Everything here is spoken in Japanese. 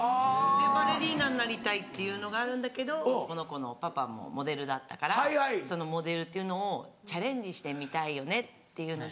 バレリーナになりたいっていうのがあるんだけどこの子のパパもモデルだったからそのモデルっていうのをチャレンジしてみたいよねっていうので。